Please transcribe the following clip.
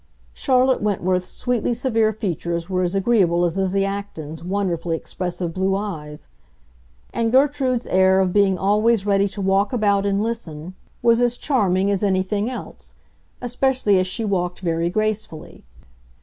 Charlotte Wentworth's sweetly severe features were as agreeable as Lizzie Acton's wonderfully expressive blue eyes; and Gertrude's air of being always ready to walk about and listen was as charming as anything else, especially as she walked very gracefully.